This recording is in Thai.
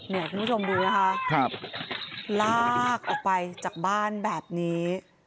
คุณผู้ชมดูนะคะลากออกไปจากบ้านแบบนี้